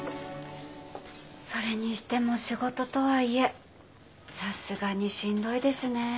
それにしても仕事とはいえさすがにしんどいですね。